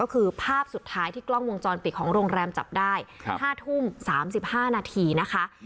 ก็คือภาพสุดท้ายที่กล้องวงจรปิดของโรงแรมจับได้๕ทุ่ม๓๕นาทีนะคะ